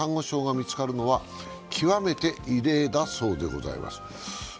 礁が見つかるのは極めて異例だそうでございます。